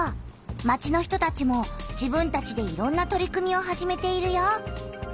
町の人たちも自分たちでいろんな取り組みを始めているよ！